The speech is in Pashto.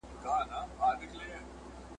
څه تخمونه د فساد مو دي شيندلي !.